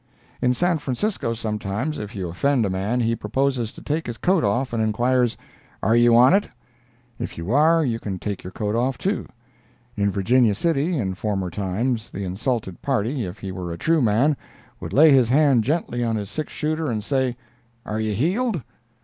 In San Francisco sometimes, if you offend a man, he proposes to take his coat off, and inquires, "Are you on it?" If you are, you can take your coat off, too. In Virginia City, in former times, the insulted party, if he were a true man, would lay his hand gently on his six shooter and say, "Are you heeled?"